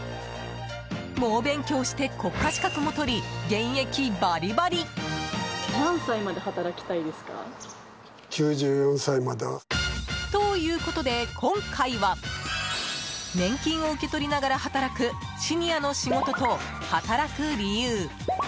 猛勉強して国家資格も取り現役バリバリ！ということで今回は年金を受け取りながら働く手紙？